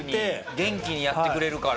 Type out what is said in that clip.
元気にやってくれるから。